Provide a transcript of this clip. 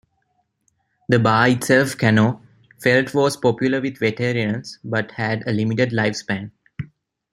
The bar itself Cano felt was popular with veterans but had a limited lifespan.